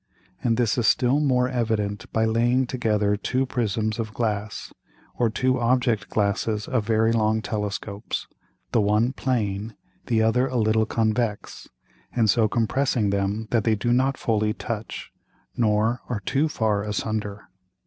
And this is still more evident by laying together two Prisms of Glass, or two Object glasses of very long Telescopes, the one plane, the other a little convex, and so compressing them that they do not fully touch, nor are too far asunder.